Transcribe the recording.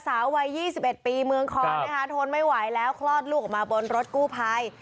สาววัย๒๑ปีเมืองคอนะคะทนไม่ไหวแล้วคลอดลูกออกมาบนรถกู้ภัย